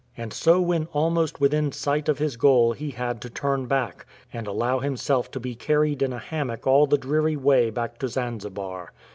And so when almost within sight of his goal he had to turn back, and allow himself to be carried in a hammock all the dreary way back to Zanzibar.